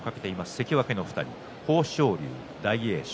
関脇の２人、豊昇龍と大栄翔